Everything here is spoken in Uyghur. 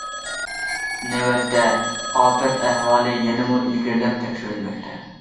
نۆۋەتتە، ئاپەت ئەھۋالى يەنىمۇ ئىلگىرىلەپ تەكشۈرۈلمەكتە.